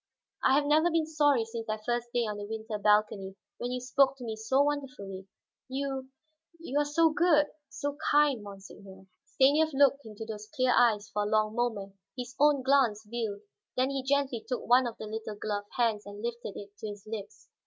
I have never been sorry since that first day on the winter balcony when you spoke to me so wonderfully. You you are so good, so kind, monseigneur." Stanief looked into those clear eyes for a long moment, his own glance veiled. Then he gently took one of the little gloved hands and lifted it to his lips.